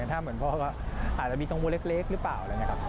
ถ้าเหมือนพ่อก็อาจจะมีตังค์เล็กหรือเปล่า